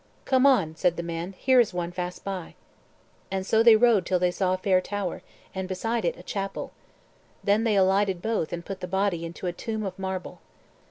"Come on," said the man, "here is one fast by." And so they rode till they saw a fair tower, and beside it a chapel. Then they alighted both, and put the body into a tomb of marble.